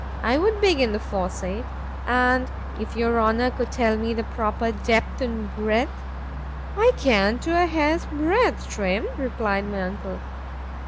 —I would begin with the fossé, and if your Honour could tell me the proper depth and breadth—I can to a hair's breadth, Trim, replied my uncle.